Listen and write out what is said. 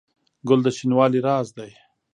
ګل د شینوالي راز دی.